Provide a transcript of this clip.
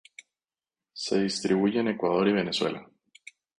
Se distribuye en Ecuador y Venezuela.